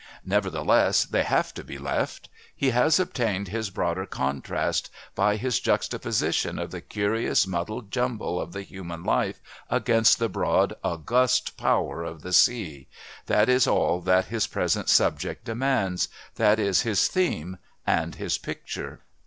Nevertheless they have to be left. He has obtained his broader contrast by his juxtaposition of the curious muddled jumble of the human life against the broad, august power of the Sea that is all that his present subject demands, that is his theme and his picture.